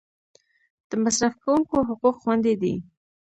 د مصرف کونکو حقوق خوندي دي؟